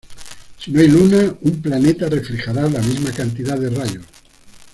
Si no hay luna, un planeta reflejará la misma cantidad de rayos.